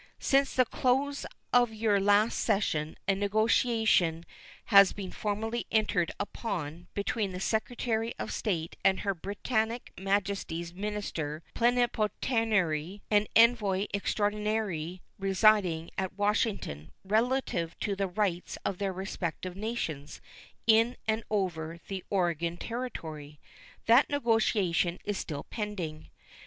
Since the close of your last session a negotiation has been formally entered upon between the Secretary of State and Her Britannic Majesty's minister plenipotentiary and envoy extraordinary residing at Washington relative to the rights of their respective nations in and over the Oregon Territory. That negotiation is still pending.